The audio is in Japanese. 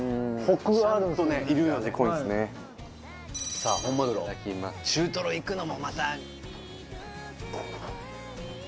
さぁ本マグロ中トロいくのもまた。